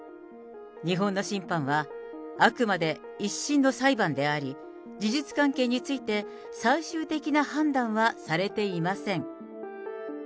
日本の審判はあくまで一審の裁判であり、事実関係について、最終的な判断はされていません。